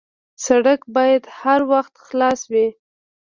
سړک باید هر وخت خلاص وي.